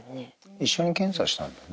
一緒に検査したんだよね？